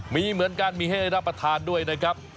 มีเหมือนกันมีให้ได้รับประทานด้วยนะครับ